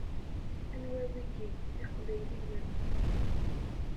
Anwa wigi? D iqbayliyen!